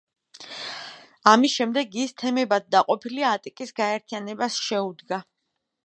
ამის შემდეგ ის თემებად დაყოფილი ატიკის გაერთიანებას შეუდგა.